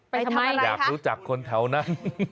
ไปทำอะไรคะอยากรู้จักคนแถวนั้น